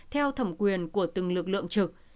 theo thẩm quyền của từng lực lượng trực